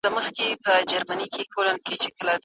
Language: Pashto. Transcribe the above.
د تاریخ تکرار کله ناکله ډېر خطرناک وي.